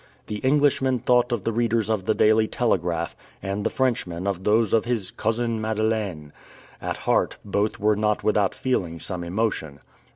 The Englishman thought of the readers of the Daily Telegraph, and the Frenchman of those of his Cousin Madeleine. At heart, both were not without feeling some emotion.